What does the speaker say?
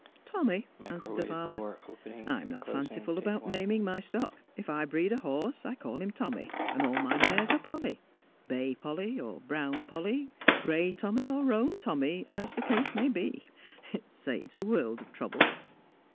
'Tommy,' answered the farmer. 'I'm not fanciful about naming my stock. If I breed a horse I call him Tommy, and all my mares are Polly — Bay Polly or Brown Polly, Gray Tommy or Eoan Tommy, as the case may be. It saves a world of trouble.'